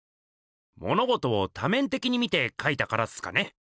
ものごとを多面的に見てかいたからっすかね。